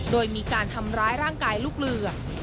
โดยมีการทำร้ายร่างกายลูกเรือ